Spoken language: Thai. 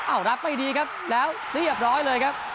รับไม่ดีครับแล้วเรียบร้อยเลยครับ